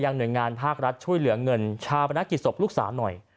ยางหน่วยงานภาครัฐช่วยเหลือเงินชาพนักศพลูกสาวหน่อย